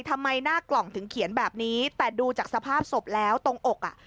ทำไมหน้ากล่องถึงเขียนแบบนี้แต่ดูจากสภาพศพแล้วตรงอกอ่ะ